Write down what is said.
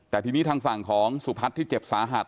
แต่ทีนี้ทางฝั่งของสุพัฒน์ที่เจ็บสาหัส